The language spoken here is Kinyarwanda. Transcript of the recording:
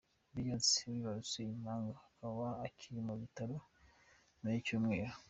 Beyonce wibarutse impanga akaba akiri mu bitaro nyuma y’icyumweru.